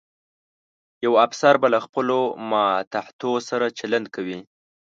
یو افسر به له خپلو ماتحتو سره چلند کوي.